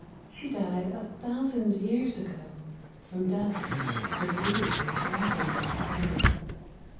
. She died a thousand years ago — From dust her beauty ripened slow.